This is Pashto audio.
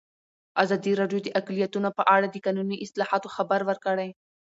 ازادي راډیو د اقلیتونه په اړه د قانوني اصلاحاتو خبر ورکړی.